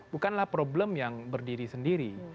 bukanlah problem yang berdiri sendiri